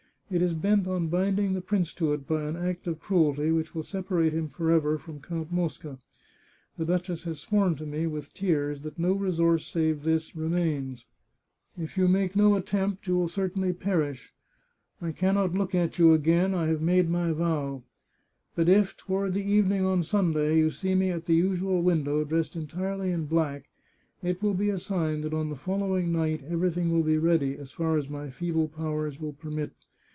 It is bent on binding the prince to it by an act of cruelty which will separate him forever from Count Mosca. The duchess has sworn to me, with tears, that no resource save this remains. If you make no attempt you will certainly perish, I can not look at you again ; I have made my vow. But if, toward the evening on Sunday, you see me at the usual window, dressed entirely in black, it will be a sign that on the following night every thing will be ready, as far as my feeble powers will permit.